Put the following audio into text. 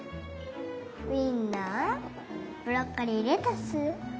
ウインナーブロッコリーレタス。